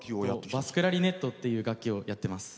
バスクラリネットっていう楽器をやっています。